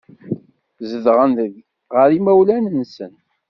Zedɣen ɣer yimawlan-nsen.